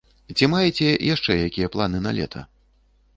Ці маеце яшчэ якія планы на лета?